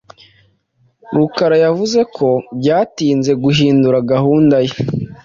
Rukara yavuze ko byatinze guhindura gahunda ye.